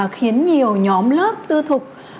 khiến nhiều nhóm lớp tư thục